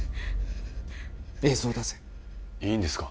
映像を出せいいんですか？